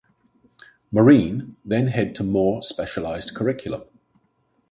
Marine then head to more specialized curriculum.